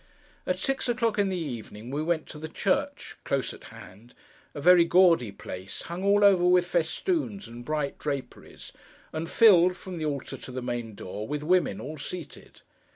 At six o'clock in the evening we went to the church—close at hand—a very gaudy place, hung all over with festoons and bright draperies, and filled, from the altar to the main door, with women, all seated.